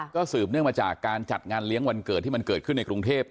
ก็สืบเนื่องมาจากการจัดงานเลี้ยงวันเกิดที่มันเกิดขึ้นในกรุงเทพ